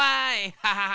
ハハハ！